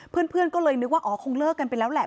เพื่อนก็เลยนึกว่าอ๋อคงเลิกกันไปแล้วแหละ